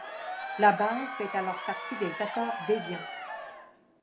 La base fait alors partie des Accords d'Évian.